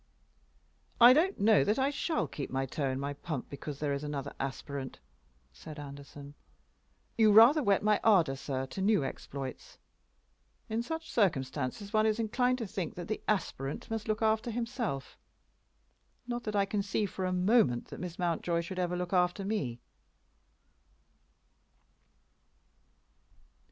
"I don't know that I shall keep my toe in my pump because there is another aspirant," said Anderson. "You rather whet my ardor, sir, to new exploits. In such circumstances one is inclined to think that the aspirant must look after himself. Not that I conceive for a moment that Miss Mountjoy should ever look after me."